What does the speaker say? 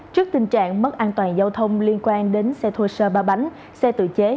trước tình trạng mất an toàn giao thông liên quan đến xe thô sơ ba bánh xe tự chế